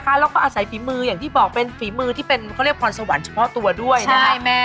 แล้วก็อาศัยฝีมืออย่างที่บอกเป็นฝีมือที่เป็นเขาเรียกพรสวรรค์เฉพาะตัวด้วยนะครับ